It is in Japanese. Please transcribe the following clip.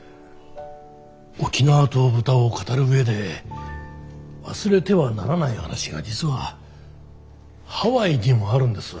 沖縄と豚を語る上で忘れてはならない話が実はハワイにもあるんです。